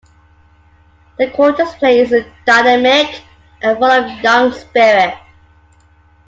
The quartet's playing is dynamic and full of young spirit.